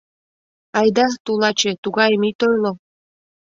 — Айда, тулаче, тугайым ит ойло.